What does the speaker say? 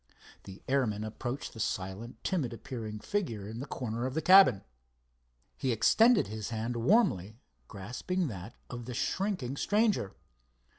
The airman approached the silent, timid appearing figure in the corner of the cabin. He extended his hand warmly, grasping that of the shrinking stranger.